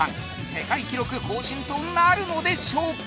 世界記録更新となるのでしょうか？